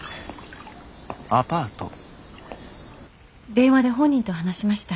電話で本人と話しました。